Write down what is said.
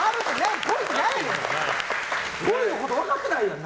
っぽいのこと分かってないやん。